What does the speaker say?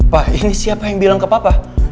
pak ini siapa yang bilang ke papa